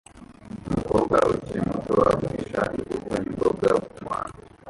Umukobwa ukiri muto agurisha imbuto n'imboga kumuhanda